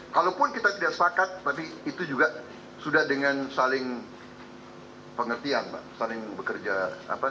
kalaupun kita tidak sepakat tapi itu juga sudah dengan saling pengertian saling bekerja